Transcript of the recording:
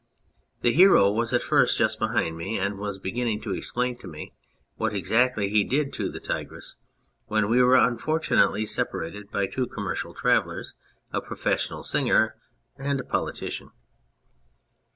The Hero was at first just behind me, and was beginning to explain to me what exactly he did to the tigress when we were unfortunately separated by two commercial travellers, a professional singer, and a politician.